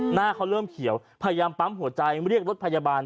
หน้าเขาเริ่มเขียวพยายามปั๊มหัวใจเรียกรถพยาบาล